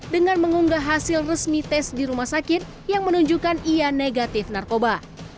dengan mengunggah hasil resmi tes di rumah sakit yang menunjukkan ia negatif narkoba